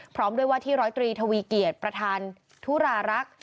พร้อมด้วยว่าที่๑๐๓ทวีเกียรติประธานทุรารักษ์